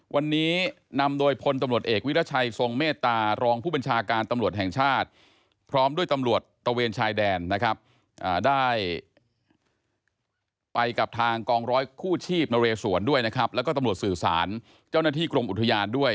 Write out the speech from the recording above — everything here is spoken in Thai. วันนี้นำโดยพลตำรวจเอกวิรัชัยทรงเมตตารองผู้บัญชาการตำรวจแห่งชาติพร้อมด้วยตำรวจตะเวนชายแดนนะครับได้ไปกับทางกองร้อยคู่ชีพนเรสวนด้วยนะครับแล้วก็ตำรวจสื่อสารเจ้าหน้าที่กรมอุทยานด้วย